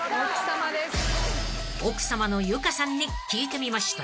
［奥さまのゆかさんに聞いてみました］